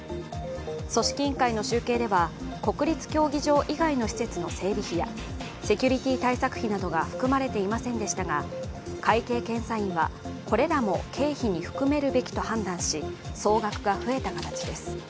組織委員会の集計では国立競技場以外の設備の整備費やセキュリティー対策費などが含まれていませんでしたが会計検査院はこれらも経費に含めるべきと判断し総額が増えた形です。